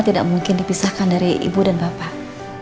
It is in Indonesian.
tidak mungkin dipisahkan dari ibu dan bapak